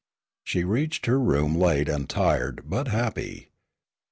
She reached her room late and tired, but happy.